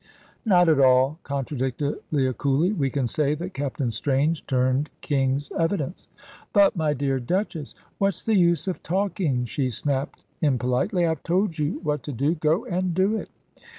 "Not at all," contradicted Leah, coolly; "we can say that Captain Strange turned King's evidence." "But, my dear Duchess" "What's the use of talking?" she snapped impolitely. "I have told you what to do. Go and do it."